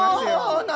何？